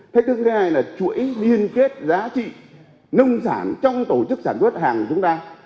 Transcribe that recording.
thách thức thứ hai là chuỗi liên kết giá trị nông sản trong tổ chức sản xuất hàng của chúng ta